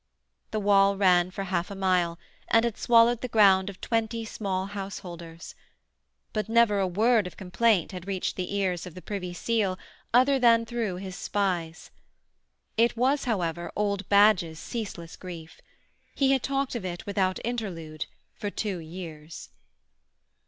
The wall ran for half a mile, and had swallowed the ground of twenty small householders. But never a word of complaint had reached the ears of the Privy Seal other than through his spies. It was, however, old Badge's ceaseless grief. He had talked of it without interlude for two years.